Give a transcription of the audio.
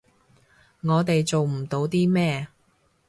我哋做唔到啲咩